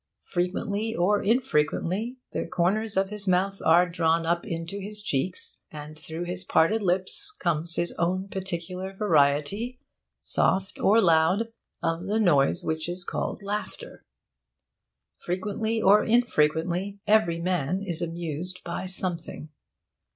Frequently or infrequently, the corners of his mouth are drawn up into his cheeks, and through his parted lips comes his own particular variety, soft or loud, of that noise which is called laughter. Frequently or infrequently, every man is amused by something.